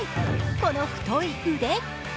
この太い腕。